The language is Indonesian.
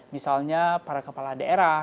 misalnya para kepala daerah